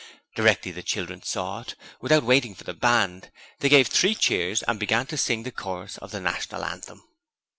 Directly the children saw it without waiting for the band they gave three cheers and began to sing the chorus of the National Anthem.